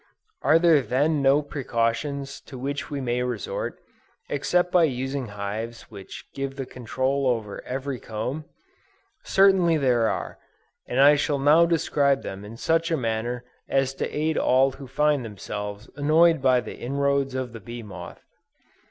Are there then no precautions to which we may resort, except by using hives which give the control over every comb? Certainly there are, and I shall now describe them in such a manner as to aid all who find themselves annoyed by the inroads of the bee moth.